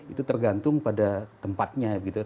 itu tergantung pada tempatnya gitu ya